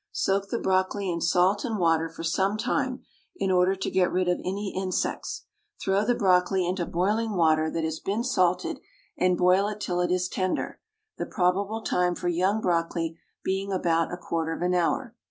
Soak the brocoli in salt and water for some time, in order to get rid of any insects. Throw the brocoli into boiling water that has been salted, and boil till it is tender, the probable time for young brocoli being about a quarter of an hour.